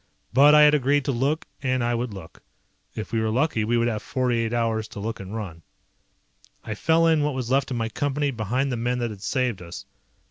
But I had agreed to look and I would look. If we were lucky we would have forty eight hours to look and run. I fell in what was left of my Company behind the men that had saved us.